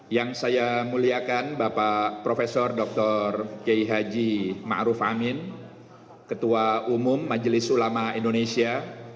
yang saya muliakan bapak profesor dr g haji ma'ruf amin ketua umum majelis ulama indonesia